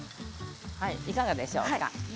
いかがでしょうか？